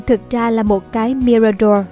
thực ra là một cái mirador